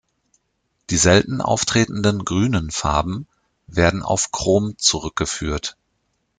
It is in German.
Die selten auftretenden grünen Farben werden auf Chrom zurückgeführt.